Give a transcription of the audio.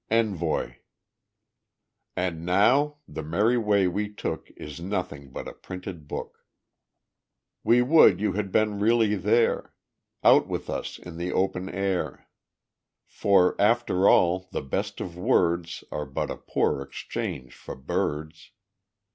ENVOI _And now the merry way we took Is nothing but a printed book; We would you had been really there, Out with us in the open air For, after all, the best of words Are but a poor exchange for birds.